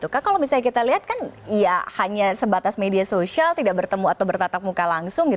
kalau misalnya kita lihat kan ya hanya sebatas media sosial tidak bertemu atau bertatap muka langsung